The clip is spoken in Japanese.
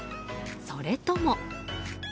それとも。